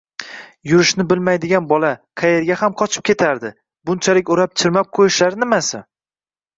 Yurishni bilmaydigan bola, qaerga ham qochib ketardi, bunchalik o`rab-chirmab qo`yishlari nimasi